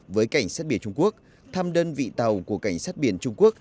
với cảnh sát biển trung quốc thăm đơn vị tàu của cảnh sát biển trung quốc